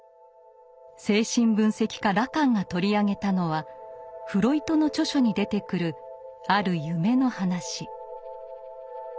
精神分析家ラカンが取り上げたのはフロイトの著書に出てくるある夢の話。